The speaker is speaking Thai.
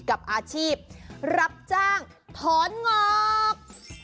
กับอาชีพรับจ้างถอนงอก